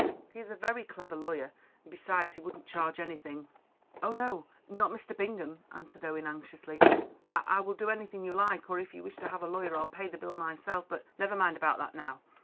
He is a very clever lawyer, and, besides, he wouldn't charge anything." "Oh, no, not Mr. Bingham," answered Owen anxiously. "I will do anything you like, or if you wish to have a lawyer I'll pay the bill myself. But never mind about that now.